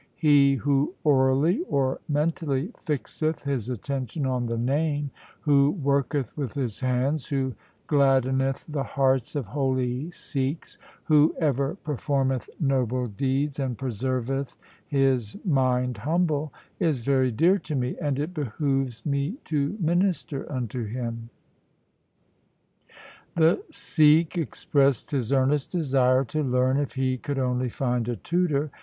He who orally or mentally fixeth his attention on the Name, who worketh with his hands, who gladdeneth the hearts of holy Sikhs, who ever performeth noble deeds, and preserveth his mind humble, is very dear to me, and it behoves me to minister unto him.' The Sikh expressed his earnest desire to learn, if he could only find a tutor.